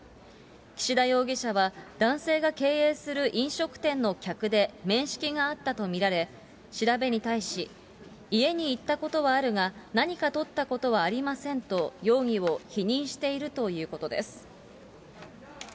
岸田容疑者は男性が経営する飲食店の客で、面識があったと見られ、調べに対し、家に行ったことはあるが、何かとったことはありませんと、容疑を否認しているということです。